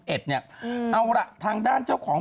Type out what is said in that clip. เอาล่ะทางด้านเจ้าของ